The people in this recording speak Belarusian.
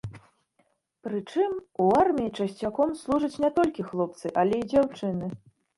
Прычым, у арміі часцяком служаць не толькі хлопцы, але і дзяўчыны.